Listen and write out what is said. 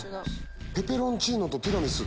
ペペロンチーノとティラミス。